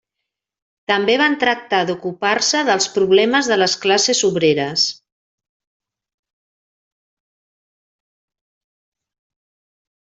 També van tractar d'ocupar-se dels problemes de les classes obreres.